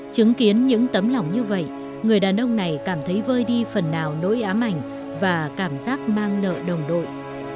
chứng kiến những tấm lòng như vậy người đàn ông này cảm thấy vơi đi phần nào nỗi ám ảnh và cảm giác mang nợ đồng đội